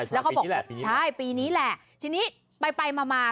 ใช่ปีนี้แหละใช่ปีนี้แหละทีนี้ไปไปมามา